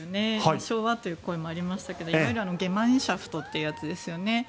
昭和という声もありましたけどいわゆるゲマインシャフトというやつですよね。